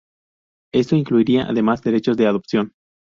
Esto incluiría además derechos de adopción.